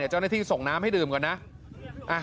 เจ้าหน้าที่ส่งน้ำให้ดื่มก่อนนะ